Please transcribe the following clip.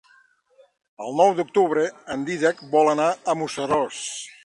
El nou d'octubre en Dídac vol anar a Museros.